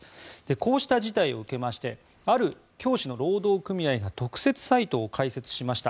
こうした事態を受けましてある教師の労働組合が特設サイトを開設しました。